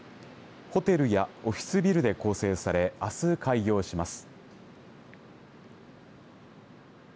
ホテルやオフィスビルで構成されあす開業します。